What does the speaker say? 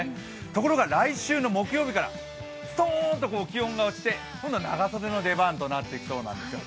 ところが来週の木曜日からストーンと気温が落ちて、今度は長袖の出番となってきそうなんですよ。